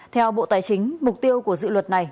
theo bộ tài chính mục tiêu của dự luật này